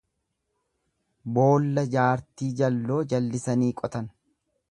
Boolla jaartii jalloo jallisanii qotan.